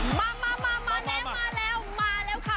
มามาแล้วมาแล้วมาแล้วค่ะ